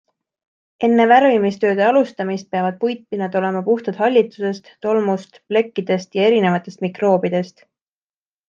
Enne värvimistööde alustamist peavad puitpinnad olema puhtad hallitusest, tolmust, plekkidest ja erinevatest mikroobidest.